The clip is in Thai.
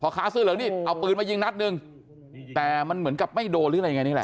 ค้าเสื้อเหลืองนี่เอาปืนมายิงนัดหนึ่งแต่มันเหมือนกับไม่โดนหรืออะไรยังไงนี่แหละ